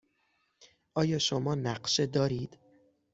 آیا شما نقشه دارید؟